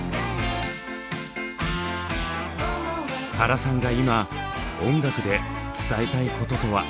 原さんが今音楽で伝えたいこととは？